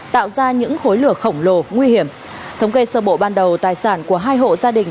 tạo ra những khối lửa khổng lồ nguy hiểm thống kê sơ bộ ban đầu tài sản của hai hộ gia đình